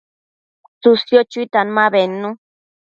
tsësio chuitan ma bednu